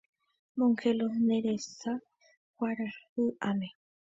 Mongelós nde resa kuarahyʼãme.